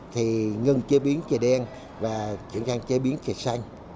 thì ngừng chế biến chè đen và chuyển sang chế biến trà xanh